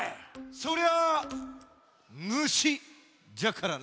そりゃあ「むし」じゃからな。